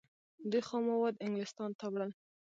دوی خام مواد انګلستان ته وړل.